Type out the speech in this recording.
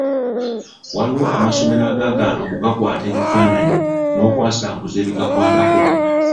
Waliwo amasomero agaagaana okugakwata ebifaananyi n’okwasanguza ebigakwatako.